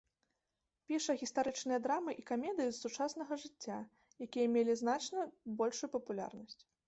Піша гістарычныя драмы і камедыі з сучаснага жыцця, якія мелі значна большую папулярнасць.